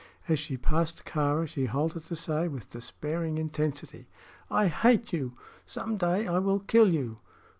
As she passed Kāra she halted to say, with despairing intensity: "I hate you! Some day I will kill you."